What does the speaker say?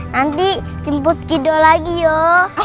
nanti jemput kido lagi yuk